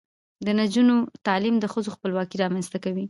د نجونو تعلیم د ښځو خپلواکۍ رامنځته کوي.